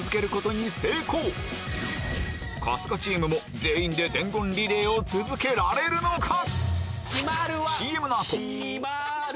見事春日チームも全員で伝言リレーを続けられるのか？